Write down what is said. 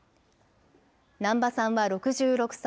難波さんは６６歳。